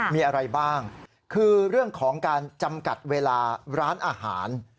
มีอะไรบ้างคือเรื่องของการจำกัดเวลาร้านอาหาร